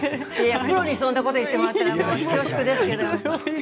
プロにそんなこと言ってもらったら恐縮ですけど。